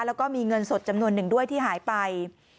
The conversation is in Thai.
แล้วก็มีเงินสดจำนวนหนึ่งด้วยที่หายไป